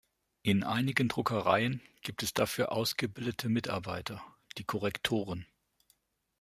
In einigen Druckereien gibt es dafür ausgebildete Mitarbeiter, die Korrektoren.